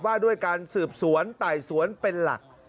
ว่าด้วยการสืบสวนไต่สวนเป็นหลัก